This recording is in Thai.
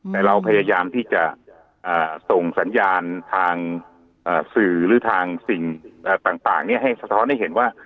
แต่เราพยายามที่จะส่งสัญญาณทางสื่อหรือทางสิ่งต่างให้สะท้อนให้เห็นว่า